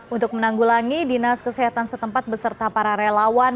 untuk menanggulangi dinas kesehatan setempat beserta para relawan